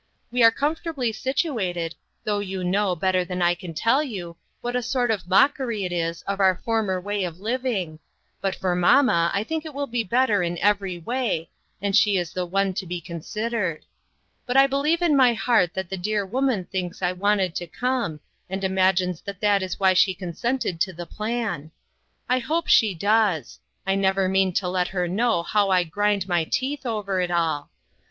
We are comforta bly situated, though you know, better than I can tell you, what a sort of mockery it is of our former way of living , but for mamma I think it will be better in every way, and she is the one to be considered. But I believe in my heart the dear woman thinks I wanted to come, and imagines that that is why she consented to the plan. 244 INTERRUPTED. I hope she does. I never mean to let her know how I grind my teeth over it all.